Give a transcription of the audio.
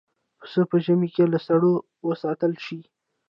پسه په ژمي کې له سړو وساتل شي.